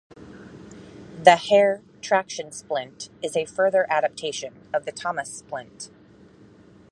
The Hare traction splint is a further adaptation of the Thomas splint.